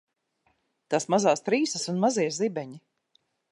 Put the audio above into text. Tās mazās trīsas un mazie zibeņi.